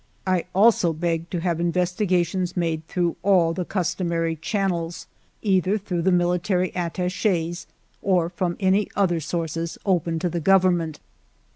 I also begged to have inves tigations made through all the customary channels, either through the military attaches or from any other sources open to the Government.